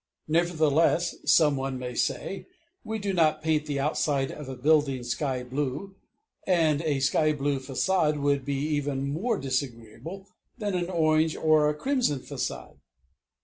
"Nevertheless," some one may say, "we do not paint the outside of a building skyblue; and a skyblue façade would be even more disagreeable than an orange or a crimson façade."